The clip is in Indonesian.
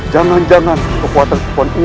jangan jangan kekuatan kekuatan ini